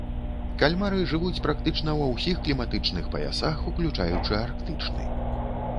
Кальмары жывуць практычна ва ўсіх кліматычных паясах, уключаючы арктычны.